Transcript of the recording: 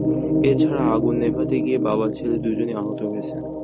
এ ছাড়া আগুন নেভাতে গিয়ে বাবা ছেলে দুজনই আহত হয়েছেন।